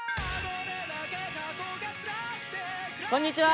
こんにちは！